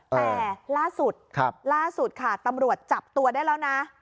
แต่ล่าสุดล่าสุดค่ะตำรวจจับตัวได้แล้วนะ